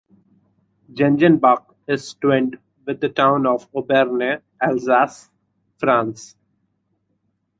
Gengenbach is twinned with the town of Obernai, Alsace, France.